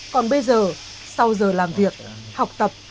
còn bây giờ sau giờ làm việc học tập